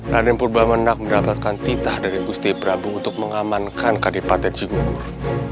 raden purba menak mendapatkan titah dari gusti brabu untuk mengamankan kadipaten jenggur